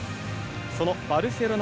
そのバルセロナ